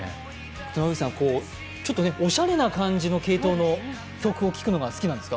妻夫木さん、おしゃれな感じの系統の曲を聴くのが好きなんですか？